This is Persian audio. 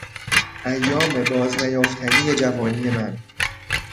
ایام باز نیافتنی جوانی من!